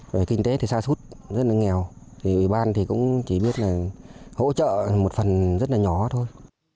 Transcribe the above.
về kinh tế thì xa suốt rất là nghèo thì ủy ban thì cũng chỉ biết là hỗ trợ một phần rất là nhỏ thôi